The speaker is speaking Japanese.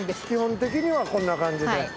基本的にはこんな感じで？